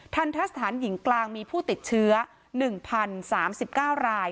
ทันทะสถานหญิงกลางมีผู้ติดเชื้อ๑๐๓๙ราย